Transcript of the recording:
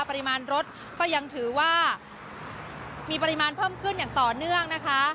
ปริมาณรถก็ยังถือว่ามีปริมาณเพิ่มขึ้นอย่างต่อเนื่องนะคะ